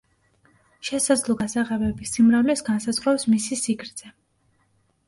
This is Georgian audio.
შესაძლო გასაღებების სიმრავლეს განსაზღვრავს მისი სიგრძე.